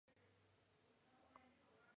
Los mamíferos terrestres son escasos.